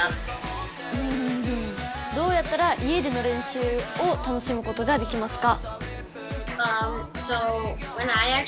どうやったら家での練習を楽しむことができますか？